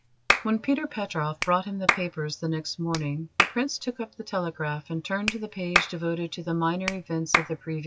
When Peter Petroff brought him the papers the next morning, the Prince took up the Telegraph, and turned to the page devoted to the minor events of the previous day.